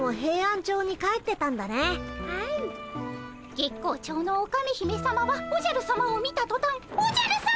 月光町のオカメ姫さまはおじゃるさまを見たとたん「おじゃるさま！